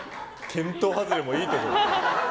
見当外れもいいところ。